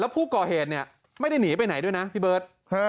ผู้ก่อเหตุเนี่ยไม่ได้หนีไปไหนด้วยนะพี่เบิร์ต